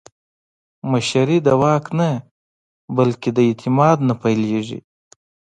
مشري د واک نه، بلکې د اعتماد نه پیلېږي